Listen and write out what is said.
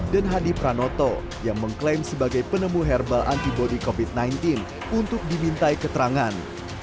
dan hadi pranoto yang mengklaim sebagai penemu herbal antibody covid sembilan belas untuk dimintai keterangan